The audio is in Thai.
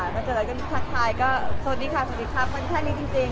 ถ้าเจออะไรก็ทักทายก็สวัสดีค่ะสวัสดีครับมันแค่นี้จริง